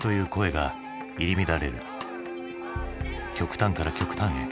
極端から極端へ。